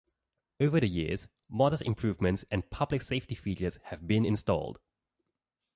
Over the years, modest improvements and public safety features have been installed.